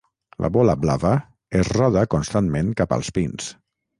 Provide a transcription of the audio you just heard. La bola blava es roda constantment cap als pins.